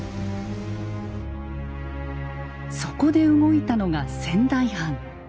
そこで動いたのが仙台藩。